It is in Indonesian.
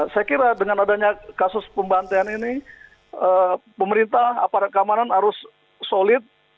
saya kira dengan adanya kasus pembantaian ini pemerintah aparat keamanan harus solid